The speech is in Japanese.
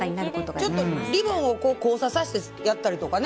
ちょっとリボンを交差させてやったりとかね。